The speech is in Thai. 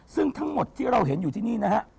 ซึ่งทั้งหมดที่เราเห็นอยู่ที่นี่นะฮะ